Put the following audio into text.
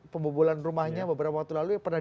pembobolan rumahnya beberapa waktu lalu yang pernah